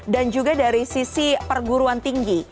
dan juga dari sisi perguruan tinggi